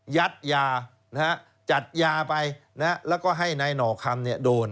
ยัดยานะฮะจัดยาไปนะฮะแล้วก็ให้ไอ้หนอคำเนี้ยโดน